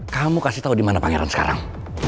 kamu kasih tau dimana pangeran sekarang